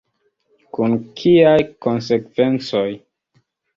Kun kiaj konsekvencoj?